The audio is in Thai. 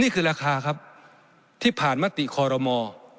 นี่คือราคาครับที่ผ่านมติคอรมอ